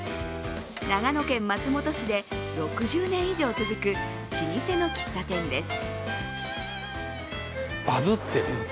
長野県松本市で６０年以上続く老舗の喫茶店です。